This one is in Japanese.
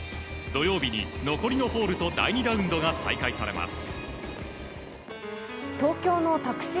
土曜日に残りのホールと第２ラウンドが再開されます。